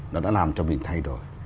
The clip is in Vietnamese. nó đã làm cho mình thay đổi